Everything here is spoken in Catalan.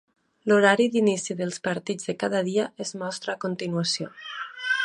L'horari d'inici dels partits de cada dia es mostra a continuació.